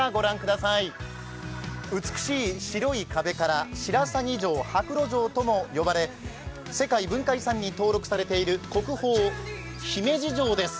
美しい白い壁から白鷺城とも呼ばれ、世界文化遺産に登録されている国宝、姫路城です。